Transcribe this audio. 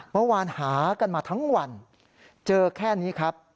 เมื่อวานหากันมาทั้งวันเจอแค่นี้ครับ